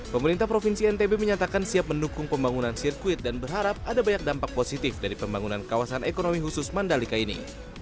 pemerintah provinsi ntb menyatakan siap mendukung pembangunan sirkuit dan berharap ada banyak dampak positif dari pembangunan kawasan ekonomi khusus mandalika ini